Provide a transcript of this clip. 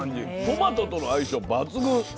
トマトとの相性抜群。